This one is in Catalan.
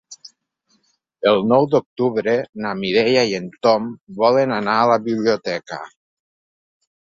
El nou d'octubre na Mireia i en Tom volen anar a la biblioteca.